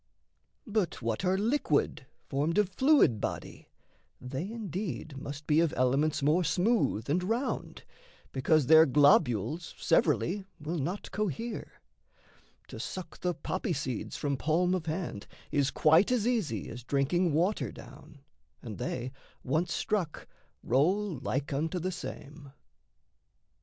But what are liquid, formed Of fluid body, they indeed must be Of elements more smooth and round because Their globules severally will not cohere: To suck the poppy seeds from palm of hand Is quite as easy as drinking water down, And they, once struck, roll like unto the same.